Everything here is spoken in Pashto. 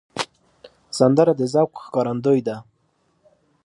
سندره د ذوق ښکارندوی ده